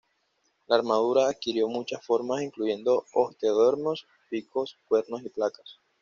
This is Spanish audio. La armadura adquirió muchas formas, incluyendo osteodermos, picos, cuernos y placas.